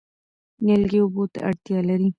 نیالګي اوبو ته اړتیا لري.